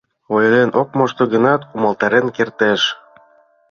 Ойлен ок мошто гынат, умылтарен кертеш...